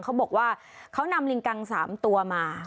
เขาบอกว่าเขานำลิงกัง๓ตัวมา